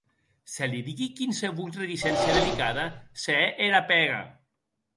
Se li digui quinsevolh reticéncia delicada, se hè era pèga.